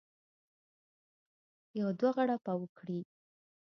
یو دوه غړپه وکړي.